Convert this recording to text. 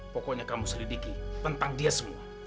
pokoknya kamu selidiki tentang dia semua